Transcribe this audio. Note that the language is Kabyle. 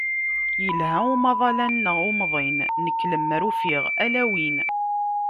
Yelha umaḍal-a-nneɣ umḍin, nekk lemmer ufiɣ ala win.